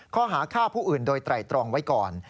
ข้อหาฆ่าผู้อื่นโดยไตรตรองไว้ก่อน